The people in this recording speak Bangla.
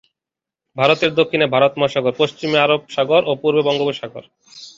ভারতের দক্ষিণে ভারত মহাসাগর, পশ্চিমে আরব সাগর ও পূর্বে বঙ্গোপসাগর।